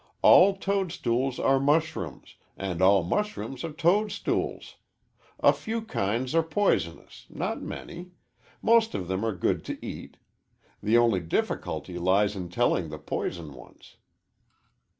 All toadstools are mushrooms and all mushrooms are toadstools. A few kinds are poisonous not many. Most of them are good to eat. The only difficulty lies in telling the poison ones."